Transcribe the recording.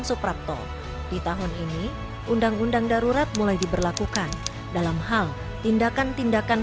suprapto di tahun ini undang undang darurat mulai diberlakukan dalam hal tindakan tindakan